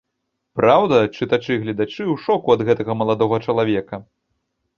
Праўда, чытачы і гледачы ў шоку ад гэтага маладога чалавека.